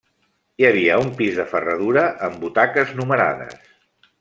Hi havia un pis de ferradura amb butaques numerades.